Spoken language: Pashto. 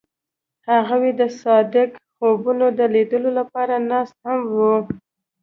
هغوی د صادق خوبونو د لیدلو لپاره ناست هم وو.